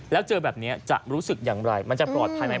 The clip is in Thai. แล้วเจอแบบนี้จะรู้สึกอย่างไรมันจะปลอดภัยไหม